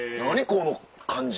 この感じ。